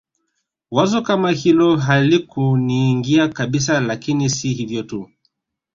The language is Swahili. Wazo kama hilo halikuniingia kabisa Lakini si hivyo tu